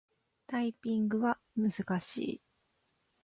タイピングは難しい。